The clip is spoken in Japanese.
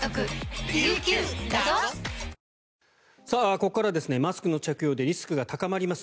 ここからはマスクの着用でリスクが高まります